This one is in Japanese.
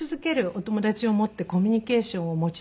お友達を持ってコミュニケーションを持ち続ける。